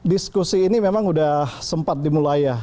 diskusi ini memang sudah sempat dimulai ya